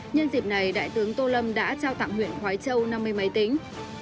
nhân dịp này đại tướng tô lâm đã trao tặng huyện khói châu năm mươi máy tính